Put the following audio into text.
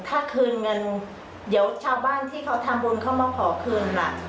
ถ้าคืนเงินเดี๋ยวชาวบ้านที่เขาทำบุญเข้ามาขอคืนล่ะ